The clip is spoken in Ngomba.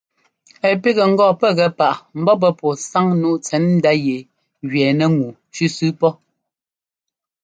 Ɛ́ pígɛ ŋgɔ pɛ́ gɛ páꞌ ḿbɔ́ pɛ́ pɔ́ɔ sáŋ nǔu tsɛ̌ndá yɛ gẅɛɛnɛ́ ŋu sʉ́sʉ́ pɔ́.